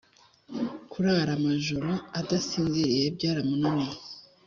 kurara amajoro adasinziriye byaramunaniye